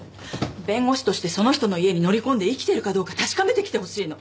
弁護士としてその人の家に乗り込んで生きてるかどうか確かめてきてほしいの。